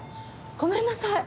ごめんなさい。